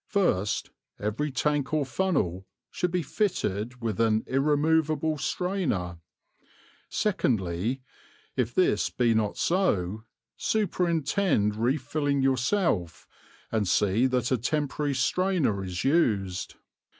First, every tank or funnel should be fitted with an irremovable strainer. Secondly, if this be not so, superintend refilling yourself and see that a temporary strainer is used.